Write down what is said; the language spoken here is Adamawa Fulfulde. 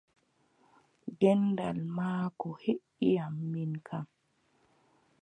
Gendal maako heʼi am min kam!